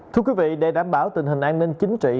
thưa quý vị để đảm bảo tình hình an ninh chính trị